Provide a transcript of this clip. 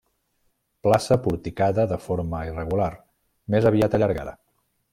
Plaça porticada de forma irregular, més aviat allargada.